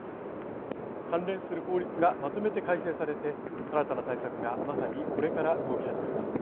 関連する法律がまとめて改正されて新たな対策がまさにこれから動き始めます。